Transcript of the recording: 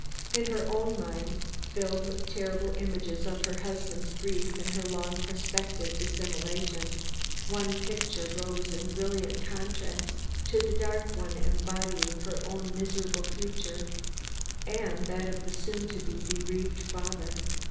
In her own mind filled with terrible images of her husband's grief and her long prospective dissimulation, one picture rose in brilliant contrast to the dark one embodying her own miserable future and that of the soon to be bereaved father.